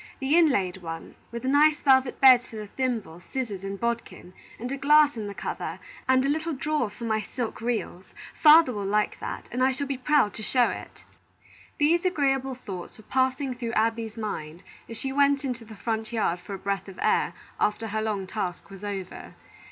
The inlaid one, with nice velvet beds for the thimble, scissors, and bodkin, and a glass in the cover, and a little drawer for my silk reels. Father will like that, and I shall be proud to show it." These agreeable thoughts were passing through Abby's mind as she went into the front yard for a breath of air, after her long task was over.